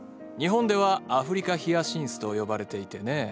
日本ではアフリカ・ヒアシンスと呼ばれていてね。